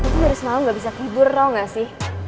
gue tuh baru semalam gak bisa tidur tau gak sih